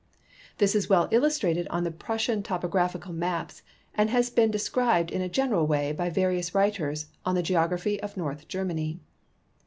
This is well illustrated on the Prussian topo graphical maps, and has been described in a general way by various writers on the geograph}^ of North Germany.